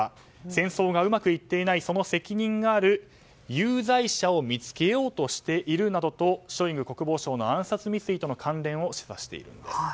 戦争がうまくいっていない責任がある有罪者を見つけようとしているなどとショイグ国防相の暗殺未遂との関連を示唆しているんです。